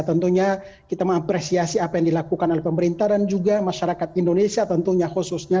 tentunya kita mengapresiasi apa yang dilakukan oleh pemerintah dan juga masyarakat indonesia tentunya khususnya